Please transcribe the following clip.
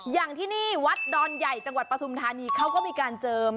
อย่างที่นี่วัดดอนใหญ่จังหวัดปฐุมธานีเขาก็มีการเจิม